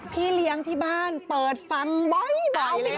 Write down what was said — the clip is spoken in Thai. พี่เลี้ยงที่บ้านเปิดฟังบ่อยเลยค่ะ